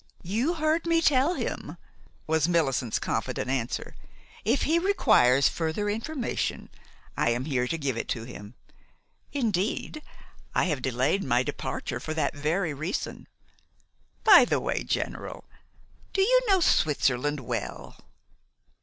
"You heard me tell him," was Millicent's confident answer. "If he requires further information, I am here to give it to him. Indeed, I have delayed my departure for that very reason. By the way, General, do you know Switzerland well?"